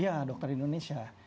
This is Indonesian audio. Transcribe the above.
iya dokter indonesia